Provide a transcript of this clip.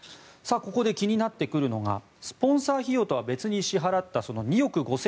ここで気になってくるのがスポンサー費用とは別に支払った２億５０００万円。